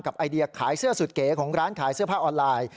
ไอเดียขายเสื้อสุดเก๋ของร้านขายเสื้อผ้าออนไลน์